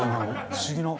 不思議な。